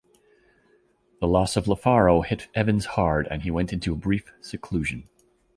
The loss of LaFaro hit Evans hard, and he went into a brief seclusion.